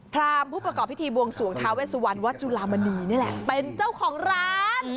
พรามผู้ประกอบพิธีบวงสวงทาเวสุวรรณวัดจุลามณีนี่แหละเป็นเจ้าของร้าน